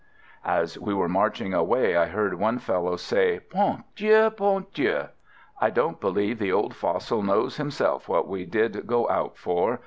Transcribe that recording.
As we were marching away I heard one fellow say: 'Bon Dieu! bon Dieu! I don't believe the old fossil knows himself what we did go out for.